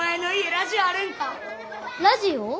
ラジオ？